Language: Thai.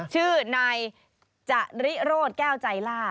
ชื่อนายจริโรธแก้วใจล่า